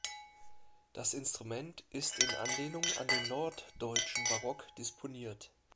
Das Instrument ist in Anlehnung an den norddeutschen Barock disponiert.